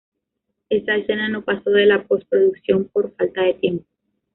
Esa escena no pasó de la postproducción por falta de tiempo.